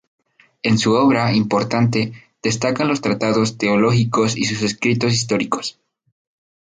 En su obra, importante, destacan los tratados teológicos y sus escritos históricos.